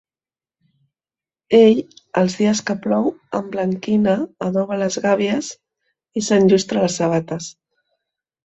Ell, els dies que plou, emblanquina, adoba les gàbies is’enllustra les sabates.